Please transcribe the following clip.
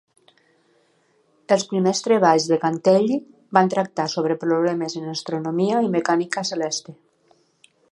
Els primers treballs de Cantelli van tractar sobre problemes en astronomia i mecànica celeste.